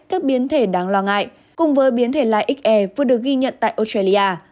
các biến thể đáng lo ngại cùng với biến thể lai xe vừa được ghi nhận tại australia